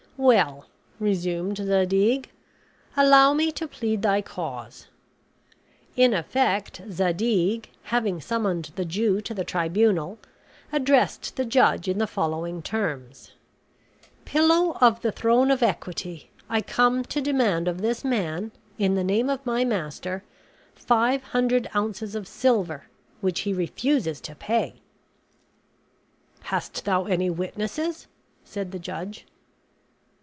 "Well," resumed Zadig, "allow me to plead thy cause." In effect Zadig, having summoned the Jew to the tribunal, addressed the judge in the following terms: "Pillow of the throne of equity, I come to demand of this man, in the name of my master, five hundred ounces of silver, which he refuses to pay." "Hast thou any witnesses?" said the judge.